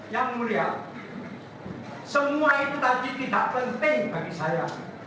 yang mulia semua itu tadi tidak penting bagi saya